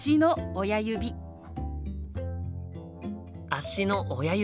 足の親指。